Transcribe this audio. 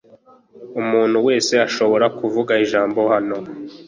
Umuntu wese ashobora kuvuga ijambo hano.